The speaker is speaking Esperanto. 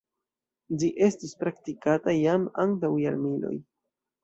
Ĝi estis praktikata jam antaŭ jarmiloj.